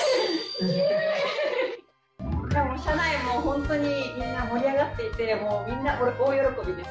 社内も本当にみんな盛り上がっていて、みんな大喜びです。